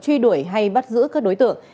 truy đuổi hay bắt giữ các đối tượng